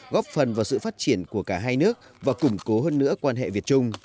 góp phần vào sự phát triển của cả hai nước và củng cố hơn nữa quan hệ việt trung